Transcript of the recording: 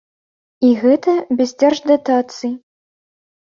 І гэта без дзярждатацый.